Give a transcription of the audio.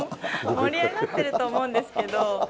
盛り上がってると思うんですけど。